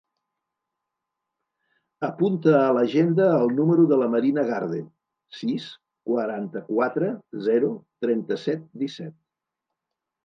Apunta a l'agenda el número de la Marina Garde: sis, quaranta-quatre, zero, trenta-set, disset.